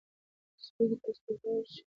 سپى که تر سپوږمۍ ورشي، هم به اوري کوچ کورې